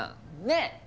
ねえ？